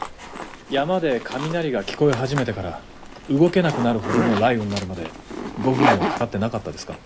山で雷が聞こえ始めてから動けなくなるほどの雷雨になるまで５分もかかってなかったですか？